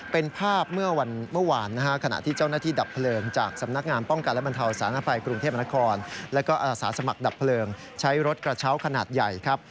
เป็นภาพเมื่อวันเมื่อวานขณะที่เจ้าหน้าที่ดับเพลิงจากสำนักงานป้องกันและบรรเทาสารภัยกรุงเทพนครและก็อาสาสมัครดับเพลิงใช้รถกระเช้าขนาดใหญ่ครับ